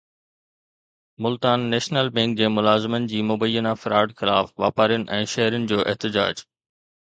Multan national bank جي ملازمن جي مبينا فراڊ خلاف واپارين ۽ شهرين جو احتجاج